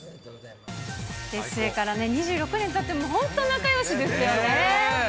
結成から２６年たっても、本当、仲よしですよね。